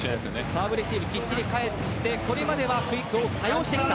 サーブレシーブが返ってこれまでクイックを多用してきた。